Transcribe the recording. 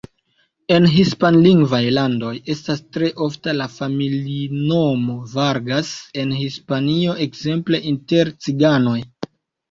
En hispanlingvaj landoj estas tre ofta la familinomo Vargas, en Hispanio ekzemple inter ciganoj.